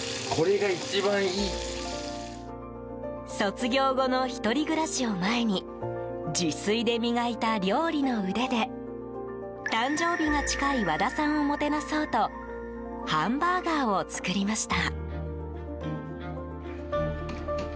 卒業後の１人暮らしを前に自炊で磨いた料理の腕で誕生日が近い和田さんをもてなそうとハンバーガーを作りました。